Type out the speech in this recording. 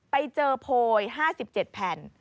ไปเจอโพย๕๗แผ่น